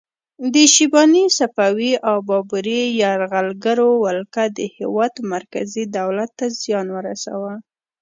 د شیباني، صفوي او بابري یرغلګرو ولکه د هیواد مرکزي دولت ته زیان ورساوه.